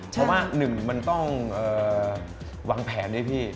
เพราะว่าหนึ่งมันต้องวางแผนด้วยพี่